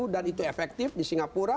dan itu efektif di singapura